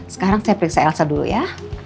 sekarang saya periksa elsa dulu ya